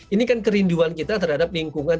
ini kan kerinduan kita terhadap lingkungan